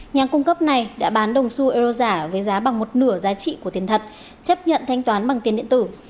nhà cung cấp này đã bán đồng su euro giả với giá bằng một nửa giá trị của tiền thật chấp nhận thanh toán bằng tiền điện tử